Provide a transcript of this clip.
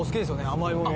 甘いもの。